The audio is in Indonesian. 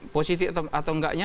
positif atau enggaknya